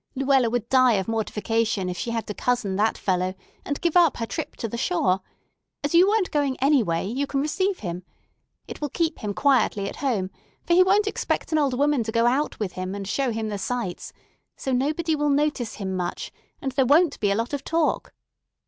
Luella would die of mortification if she had to cousin that fellow and give up her trip to the shore. As you weren't going anyway, you can receive him. It will keep him quietly at home, for he won't expect an old woman to go out with him, and show him the sights; so nobody will notice him much, and there won't be a lot of talk.